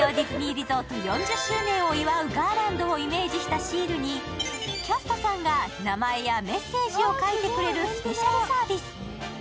リゾート４０周年を祝うガーランドをイメージしたシールにキャストさんが名前やメッセージを書いてくれるスペシャルサービス。